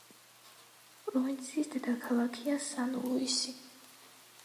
პროვინციის დედაქალაქია სან-ლუისი.